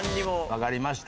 わかりました。